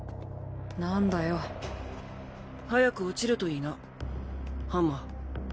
なんだよ。早く落ちるといいなハンマー。